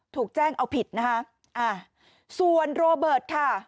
ถูกแจ้งเอาผิดนะคะอ่าส่วนโรเบิร์ตค่ะ